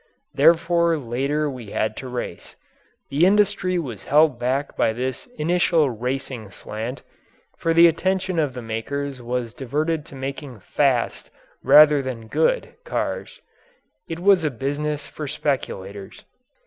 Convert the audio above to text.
Therefore later we had to race. The industry was held back by this initial racing slant, for the attention of the makers was diverted to making fast rather than good cars. It was a business for speculators.